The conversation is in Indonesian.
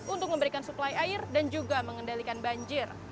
untuk memberikan suplai air dan juga mengendalikan banjir